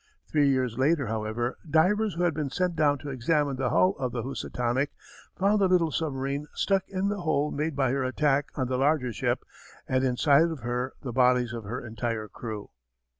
Three years later, however, divers who had been sent down to examine the hull of the Housatonic found the little submarine stuck in the hole made by her attack on the larger ship and inside of her the bodies of her entire crew.